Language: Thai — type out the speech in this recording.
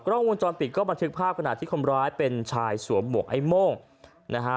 กล้องวงจรปิดก็บันทึกภาพขณะที่คนร้ายเป็นชายสวมหมวกไอ้โม่งนะฮะ